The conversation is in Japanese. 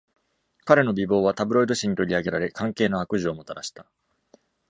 彼の美貌は、タブロイド紙に取り上げられ、関係の悪事をもたらした。